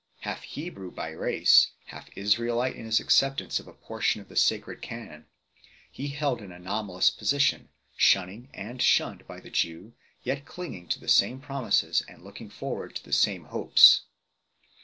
Half Hebrew by race, half Israelite in his acceptance of a portion of the sacred canon, he held an anomalous position, shunning and shunned by the Jew, yet clinging to the same promises and looking forward to the same hopes 4